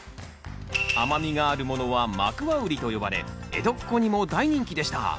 甘みがあるものはマクワウリと呼ばれ江戸っ子にも大人気でした。